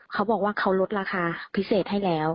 เขาบอกว่าเขาลดราคาพิเศษให้แล้ว